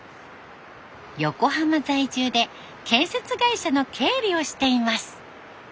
横浜在住で建設会社の経理をしています。